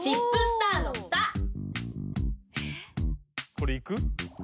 これいく？